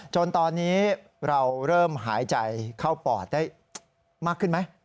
จนตอนนี้เราเริ่มหายใจเข้าปอดได้มากขึ้นไหม